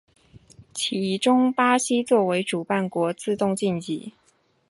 其中巴西作为主办国自动晋级。